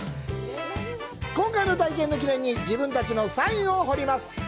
今回の体験の記念に自分たちのサインを彫ります。